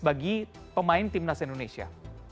bagi pemain timnas indonesia